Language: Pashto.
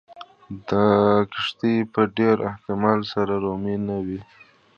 دا کښتۍ په ډېر احتمال سره رومي نه وې